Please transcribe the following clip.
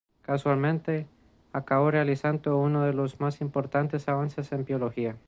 Casualmente, acabó realizando uno de los más importantes avances en Biología.